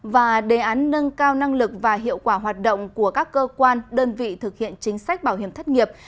và đề án nâng cao năng lực và hiệu quả hoạt động của các cơ quan đơn vị thực hiện chính sách bảo hiểm thất nghiệp